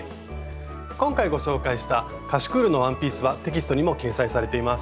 今回ご紹介したカシュクールのワンピースはテキストにも掲載されています。